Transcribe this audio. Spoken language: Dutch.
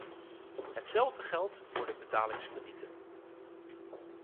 Hetzelfde geldt voor de betalingskredieten.